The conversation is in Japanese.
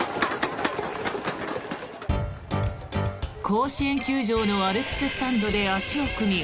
甲子園球場のアルプススタンドで足を組み